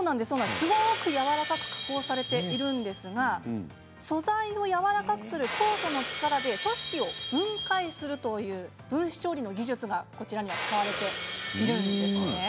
すごくやわらかく加工されているんですが素材をやわらかくする酵素の力で組織を分解するという分子調理の技術が、こちらには使われているんです。